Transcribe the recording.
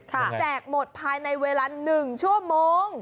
คุณแจกหมดภายในเวลา๑ชั่วโมง